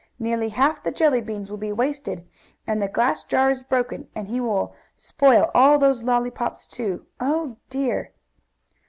Nearly half the jelly beans will be wasted, and the glass jar is broken, and he will spoil all those lollypops, too. Oh dear!"